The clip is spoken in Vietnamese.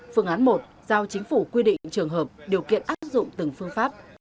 phương án một giao chính phủ quy định trường hợp điều kiện áp dụng từng phương pháp